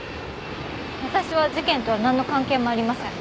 私は事件とはなんの関係もありません。